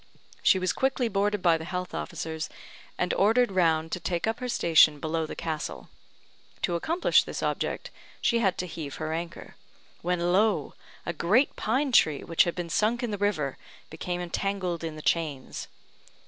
She was quickly boarded by the health officers, and ordered round to take up her station below the castle. To accomplish this object she had to heave her anchor; when lo! a great pine tree, which had been sunk in the river, became entangled in the chains.